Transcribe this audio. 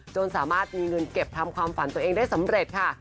จนสามารถมีเงินเก็บทำความฝันตัวเองได้สำเร็จค่ะ